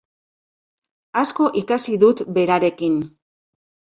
Asko ikasi dut berarekin.